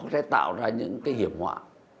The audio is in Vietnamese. sẽ tạo ra những hiểm họa